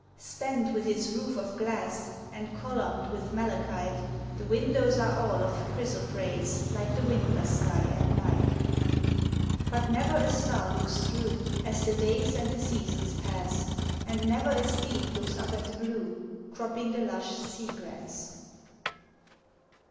Spanned with its roof of glass, And columned with malachite, The windows are all of chrysoprase, Like the winter sky at night. But never a star looks through, As the days and the seasons pass, And never a steed looks up at the blue, Cropping the lush sea grass.